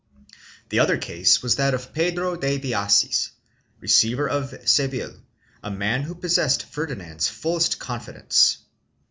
2 The other case was that of Pedro de Villacis, receiver of Seville, a man who possessed Ferdinand's fullest confidence.